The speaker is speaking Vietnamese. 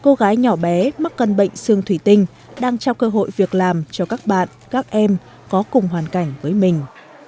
cô gái nhỏ bé mắc cân bệnh sương thủy tinh đang trao cơ hội việc làm cho các bạn các em có cùng hoàn cảnh với mình